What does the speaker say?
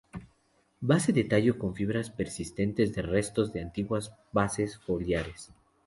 Base del tallo con fibras persistentes de restos de antiguas bases foliares.